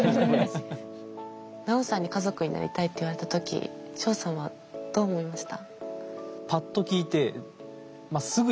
ナオさんに「家族になりたい」って言われた時ショウさんはどう思いました？